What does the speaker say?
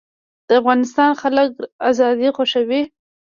د افغانستان خلک ازادي خوښوي